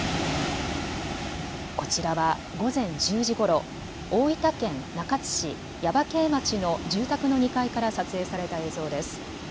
こちらは午前１０時ごろ大分県中津市耶馬渓町の住宅の２階から撮影された映像です。